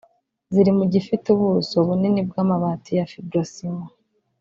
ziri mu zigifite ubuso bunini bw’amabati ya fibrociment